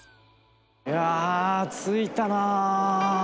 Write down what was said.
いや着いたな。